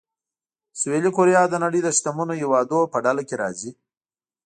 سویلي کوریا د نړۍ د شتمنو هېوادونو په ډله کې راځي.